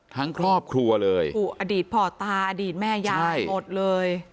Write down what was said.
ทั้งครอบครัวเลยถูกอดีตพ่อตาอดีตแม่ยายหมดเลย